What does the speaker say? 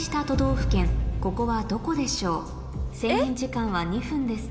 制限時間は２分です